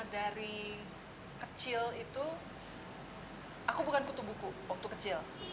dari kecil itu aku bukan butuh buku waktu kecil